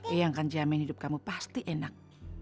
eyang kan jamin hidup kamu pasti enak